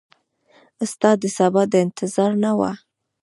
ستا دسبا د انتظار نه وه